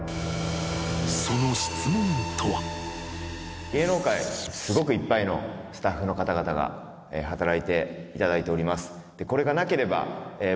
その芸能界すごくいっぱいのスタッフの方々が働いていただいております。